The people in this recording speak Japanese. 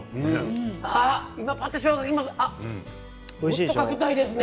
もっとかけたいですね